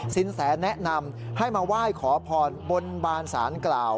สินแสแนะนำให้มาไหว้ขอพรบนบานสารกล่าว